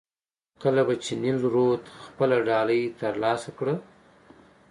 کله به چې نیل رود خپله ډالۍ ترلاسه کړه.